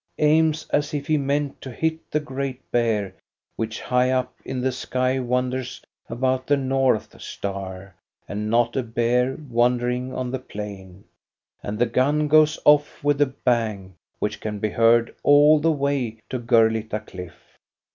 aims, as if he meant to hit the Great Bear, which high up in the sky wanders about the North Star, and not a bear wan dering on the plain, — and the gun goes off with a bang which can be heard all the way to Gurlitta Cliff.